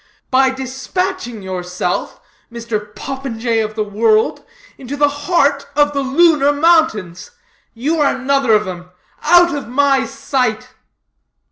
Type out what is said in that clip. "By dispatching yourself, Mr. Popinjay of the world, into the heart of the Lunar Mountains. You are another of them. Out of my sight!"